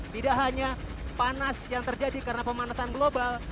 tidak hanya panas yang terjadi karena pemanasan global